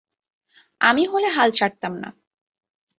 আমি হলে হাল ছাড়তাম না।